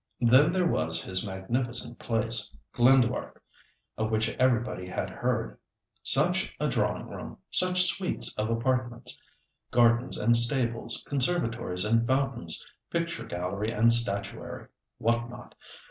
Then there was his magnificent place, Glenduart, of which everybody had heard. Such a drawing room, such suites of apartments! Gardens and stables, conservatories and fountains, picture gallery and statuary—what not!